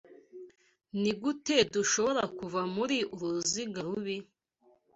Nigute dushobora kuva muri uru ruziga rubi?